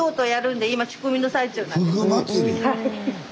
はい。